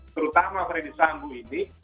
terutama fredi sambu ini